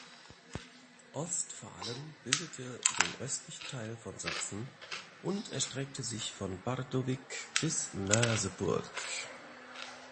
Ostfalen bildete den östlichen Teil von Sachsen und erstreckte sich von Bardowick bis Merseburg.